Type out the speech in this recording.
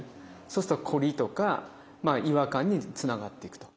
そうするとコリとか違和感につながっていくと。